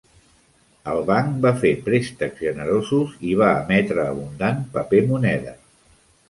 El banc va fer préstecs generosos i va emetre abundant paper moneda.